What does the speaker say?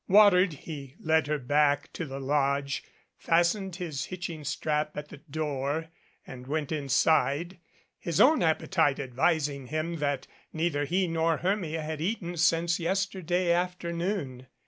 Watered, he led her back to the lodge, fastened his hitching strap at the door and went inside, his own appetite advising him that neither he nor Hermia had eaten since yesterday afternoon.